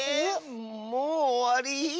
もうおわり？